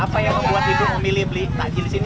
apa yang membuat ibu memilih beli takjil di sini